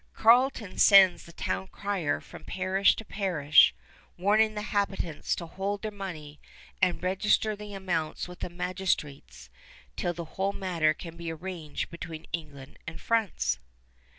Carleton sends the town crier from parish to parish, warning the habitants to hold their money and register the amounts with the magistrates till the whole matter can be arranged between England and France.